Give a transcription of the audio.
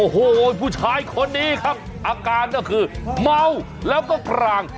โอ้โหผู้ชายคนนี้ครับอาการก็คือเมาแล้วก็กลาง